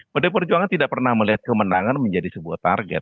pdi perjuangan tidak pernah melihat kemenangan menjadi sebuah target